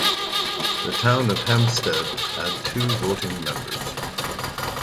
The Town of Hempstead had two voting members.